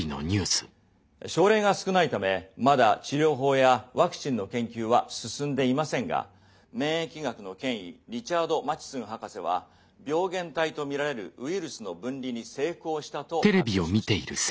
症例が少ないためまだ治療法やワクチンの研究は進んでいませんが免疫学の権威リチャード・マチスン博士は病原体とみられるウイルスの分離に成功したと発表しました。